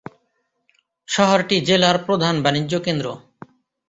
শহরটি জেলার প্রধান বাণিজ্য কেন্দ্র।